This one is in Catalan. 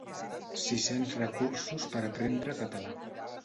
Sis-cents recursos per aprendre català .